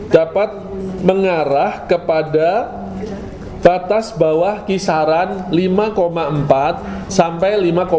dapat mengarah kepada batas bawah kisaran lima empat sampai lima empat